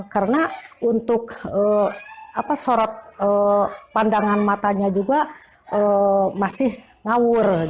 karena untuk sorot pandangan matanya juga masih ngawur